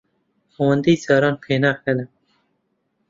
ئەوەندەی جاران پێناکەنم.